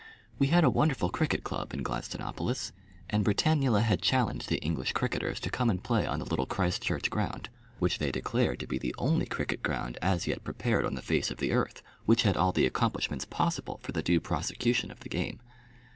We had a wonderful cricket club in Gladstonopolis, and Britannula had challenged the English cricketers to come and play on the Little Christchurch ground, which they declared to be the only cricket ground as yet prepared on the face of the earth which had all the accomplishments possible for the due prosecution of the game.